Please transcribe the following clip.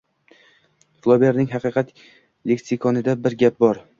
Floberning Haqiqat leksikonida bir gap bor